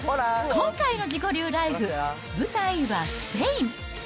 今回の自己流ライフ、舞台はスペイン。